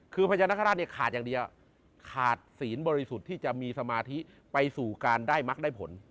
คือพญานาคาราชเนี่ยขาดอย่างเดียวขาดศีลบริสุทธิ์ที่จะมีสมาธิไปสู่การได้มักได้ผล